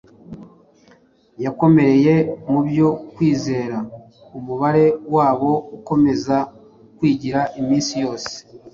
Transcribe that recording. yakomereye mu byo kwizera, umubare wabo ukomeza kugwira iminsi yose.